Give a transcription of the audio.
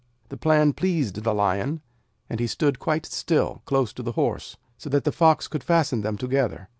The plan pleased the Lion, and he stood quite still, close to the Horse, so that the Fox should fasten them together.